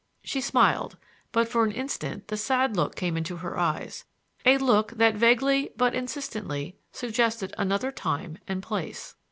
She smiled, but for an instant the sad look came into her eyes,—a look that vaguely but insistently suggested another time and place.